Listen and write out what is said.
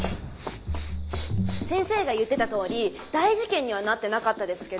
先生が言ってたとおり大事件にはなってなかったですけ